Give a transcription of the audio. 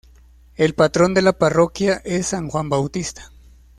El patrón de la parroquia es San Juan Bautista.